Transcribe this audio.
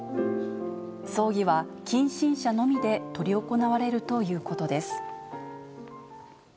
葬儀は近親者のみで執り行われるということです。